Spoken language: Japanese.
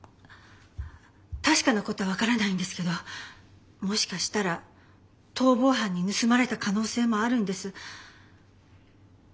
確かなことは分からないんですけどもしかしたら逃亡犯に盗まれた可能性もあるんです。